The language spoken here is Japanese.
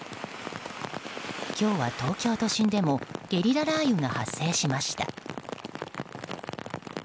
今日は東京都心でもゲリラ雷雨が発生しました。